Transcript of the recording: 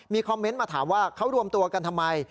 คอมเมนต์มาถามว่าเขารวมตัวกันทำไม